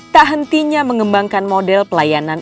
tak hentinya mengembangkan model pelayanan